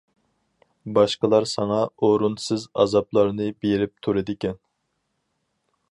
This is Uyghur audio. باشقىلار ساڭا ئورۇنسىز ئازارلارنى بېرىپ تۇرىدىكەن.